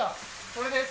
それです。